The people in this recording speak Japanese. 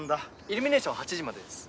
イルミネーション８時までです。